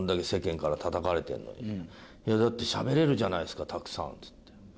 「いやだってしゃべれるじゃないですかたくさん」っつって。